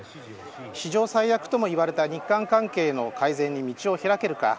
史上最悪ともいわれた日韓関係の改善に道を開けるか。